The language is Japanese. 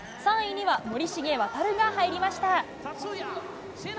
３位には森重航が入りました。